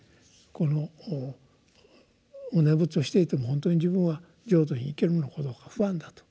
このお念仏をしていてもほんとに自分は浄土に行けるのかどうか不安だ」と。